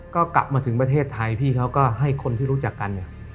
ก็กลับมาถึงประเทศไทยพี่เขาก็ให้คนที่รู้จักกันเนี่ย